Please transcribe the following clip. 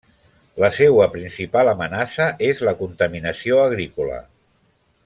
La seua principal amenaça és la contaminació agrícola.